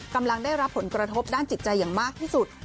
กำลังได้รับผลกระทบด้านจิตใจอย่างมากที่สุด